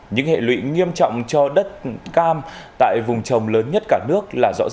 những hệ lụy nghiêm trọng cho đất cam tại vùng trồng lớn nhất cả nước